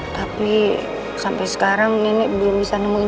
tapi sampai sekarang nenek belum bisa nemuin